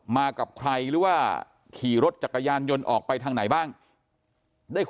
กับใครหรือว่าขี่รถจักรยานยนต์ออกไปทางไหนบ้างได้คุย